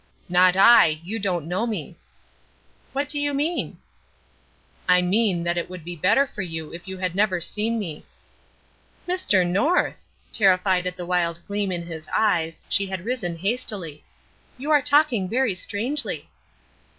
"Not I you don't know me." "What do you mean?" "I mean that it would be better for you if you had never seen me." "Mr. North!" Terrified at the wild gleam in his eyes, she had risen hastily. "You are talking very strangely."